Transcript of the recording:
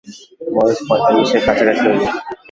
বয়স পঁয়তাল্লিশের কাছাকাছি হইবে।